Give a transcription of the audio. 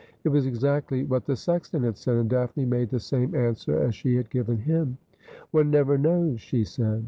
It was exactly what the sexton had said, and Daphne made the same answer as she had given him. ' One never knows,' she said.